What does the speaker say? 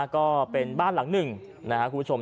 ก็เป็นบ้านหลังหนึ่งนะครับคุณผู้ชม